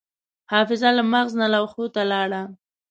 حافظه له مغز نه لوحو ته لاړه.